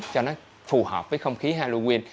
cho nó phù hợp với không khí halloween